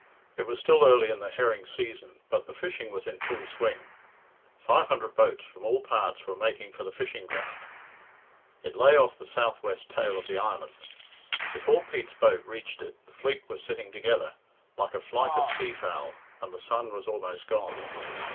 It was still early in the herring season, but the fishing was in full swing. Five hundred boats from all parts were making for the fishing round. It lay off the south west tail of the island. Before Pete's boat reached it the fleet were sitting together, like a flight of sea fowl, and the sun was almost gone.